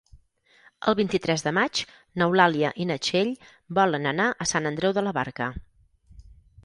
El vint-i-tres de maig n'Eulàlia i na Txell volen anar a Sant Andreu de la Barca.